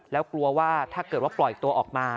แล้วกลัวว่าถ้าเกิดว่าปล่อยตัวออกมา